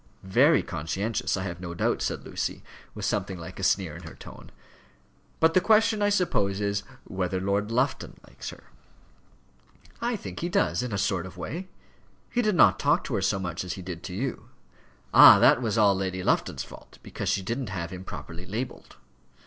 "Very conscientious, I have no doubt," said Lucy, with something like a sneer in her tone. "But the question, I suppose, is, whether Lord Lufton likes her." "I think he does, in a sort of way. He did not talk to her so much as he did to you " "Ah! that was all Lady Lufton's fault, because she didn't have him properly labelled."